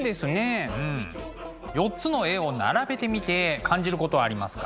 ４つの絵を並べてみて感じることありますか？